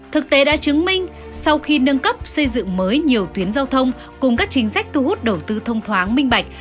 thực tế đã chứng minh sau khi nâng cấp xây dựng mới nhiều tuyến giao thông cùng các chính sách thu hút đầu tư thông thoáng minh bạch